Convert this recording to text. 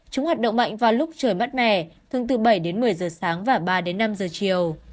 chúng hoạt động mạnh vào lúc trời mắt mẻ thường từ bảy một mươi giờ sáng và ba năm giờ chiều